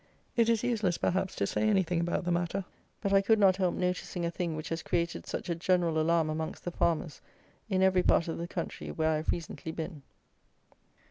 It is useless, perhaps, to say anything about the matter; but I could not help noticing a thing which has created such a general alarm amongst the farmers in every part of the country where I have recently been.